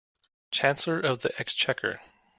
Chancellor of the Exchequer